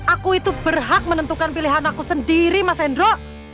aku itu berhak menentukan pilihan aku sendiri mas hendro